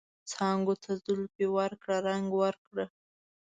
څانګو ته زلفې ورکړه ، رنګ ورکړه